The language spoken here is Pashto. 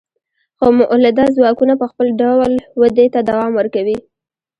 خو مؤلده ځواکونه په خپل ډول ودې ته دوام ورکوي.